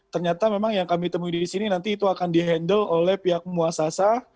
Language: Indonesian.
ternyata memang yang kami temui di sini nanti itu akan di handle oleh pihak muasasa